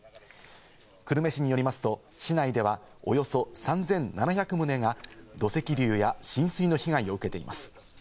久留米市によりますと、市内ではおよそ３７００棟が土石流や浸水の被害を受けています。